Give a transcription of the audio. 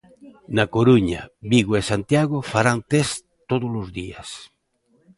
Na Coruña, Vigo e Santiago farán tests todos os días.